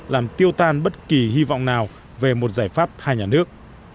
làm tiêu tan bất kỳ hy vọng nào về một giải pháp hai nhà nước